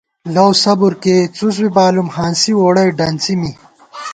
لَؤصبر کېئی څُسبی بالُوم، ہانسی ووڑَئی ڈنڅی می